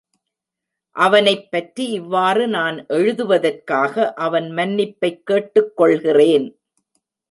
அவனைப் பற்றி இவ்வாறு நான் எழுதுவதற்காக அவன் மன்னிப்பைக் கேட்டுக் கொள்ளுகிறேன்.